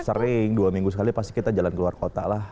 sering dua minggu sekali pasti kita jalan keluar kota lah